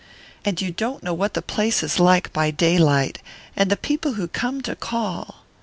"And you don't know what the place is like by daylight and the people who come to call!"